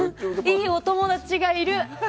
いいお友達がいる！